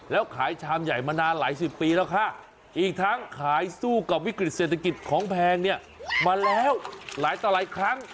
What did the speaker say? แล้วขายชามใหญ่มานานหลายสิบปีแล้วค่ะอีกทั้งขายสู้กับวิกฤตเศรษฐกิจของแพงเนี่ยมาแล้วหลายต่อหลายครั้ง